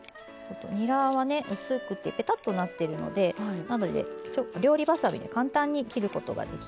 にらはね薄くてぺたっとなってるので料理ばさみで簡単に切ることができます。